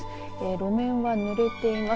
路面はぬれています。